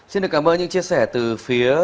xin được cảm ơn những chia sẻ từ phía